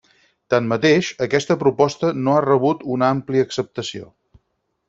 Tanmateix, aquesta proposta no ha rebut una àmplia acceptació.